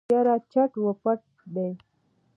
يره چټ و پټ دی.